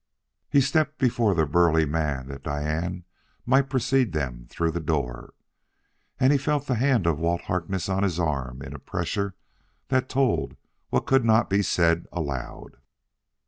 He stepped before the burly man that Diane might precede them through the door. And he felt the hand of Walt Harkness on his arm in a pressure that told what could not be said aloud.